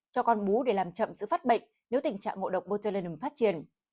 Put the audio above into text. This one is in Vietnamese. cho con bú để làm chậm giữ phát bệnh nếu tình trạng ngộ độc botulinum phát triển